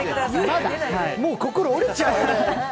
もう心折れちゃうよ。